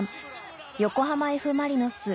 横浜Ｆ・マリノス×